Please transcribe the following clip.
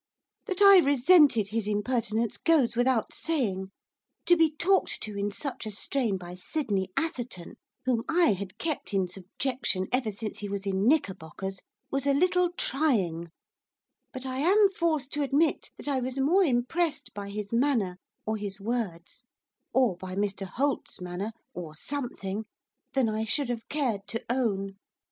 That I resented his impertinence goes without saying to be talked to in such a strain by Sydney Atherton, whom I had kept in subjection ever since he was in knickerbockers, was a little trying, but I am forced to admit that I was more impressed by his manner, or his words, or by Mr Holt's manner, or something, than I should have cared to own.